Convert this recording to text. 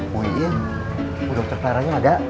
woyin udang ceklaranya ada